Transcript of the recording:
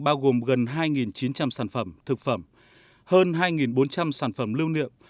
bao gồm gần hai chín trăm linh sản phẩm thực phẩm hơn hai bốn trăm linh sản phẩm lưu niệm